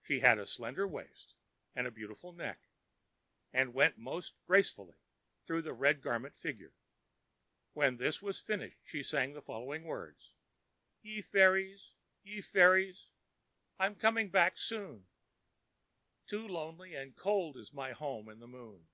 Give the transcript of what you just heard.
She had a slender waist and a beautiful neck, and went most gracefully through the Red Garment figure. When this was finished she sang the following words:— ãYe fairies! ye fairies! Iãm coming back soon, Too lonely and cold is my home in the moon.